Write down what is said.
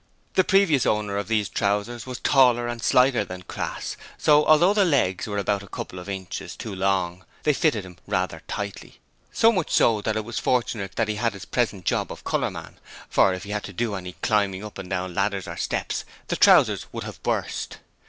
The previous owner of these trousers was taller and slighter than Crass, so although the legs were about a couple of inches too long, they fitted him rather tightly, so much so that it was fortunate that he had his present job of colourman, for if he had had to do any climbing up and down ladders or steps, the trousers would have burst.